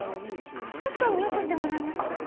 ちょっと待ちよってもらえますか？